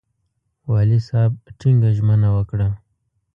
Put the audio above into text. والي صاحب ټینګه ژمنه وکړه.